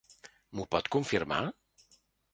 M'ho pot confirmar?